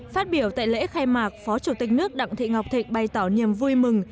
phát biểu tại lễ khai mạc phó chủ tịch nước đặng thị ngọc thịnh bày tỏ niềm vui mừng